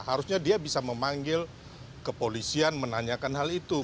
harusnya dia bisa memanggil kepolisian menanyakan hal itu